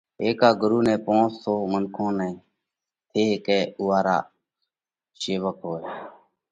ھيڪا ڳرُو نئہ پونس سو منکون نئہ (ٿي ھيڪئھ اُوئا را شيوڪ ھوئہ)